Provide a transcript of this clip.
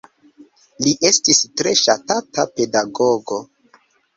Li estis tre ŝatata pedagogo.